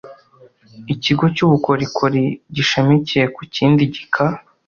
ikigo cy ubukorikori gishamikiye ku kindi gika